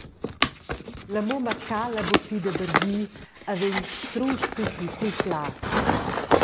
La mumma cala buca da bargir e vegn strusch pli si cul flad.